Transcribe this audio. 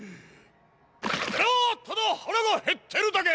オレはただはらがへってるだけ！